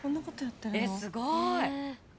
すごい。